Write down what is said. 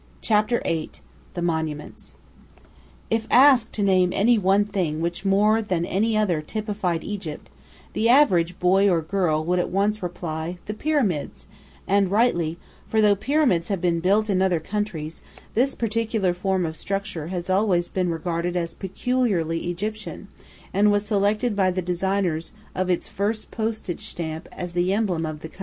CHAPTER VIII THE MONUMENTS If asked to name any one thing which more than any other typified Egypt, the average boy or girl would at once reply, "The pyramids," and rightly, for though pyramids have been built in other countries, this particular form of structure has always been regarded as peculiarly Egyptian, and was selected by the designers of its first postage stamp as the emblem of the country.